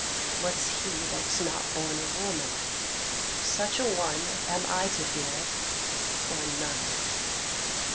What's he that was not born of woman? Such a one am I to fear, or none."